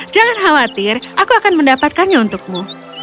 jangan khawatir aku akan mendapatkannya untukmu